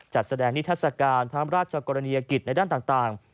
จัดแสดงนิทัศกาลพระราชกรณียกิจในด้านต่าง